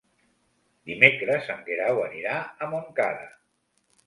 Dimecres en Guerau anirà a Montcada.